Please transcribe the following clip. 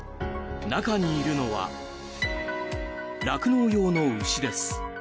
中にいるのは酪農用の牛です。